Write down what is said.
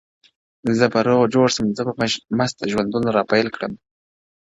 o زه به روغ جوړ سم زه به مست ژوندون راپيل كړمه،